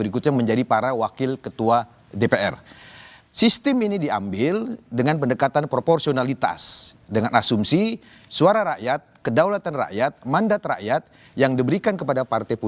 kekuatan partai yang di luar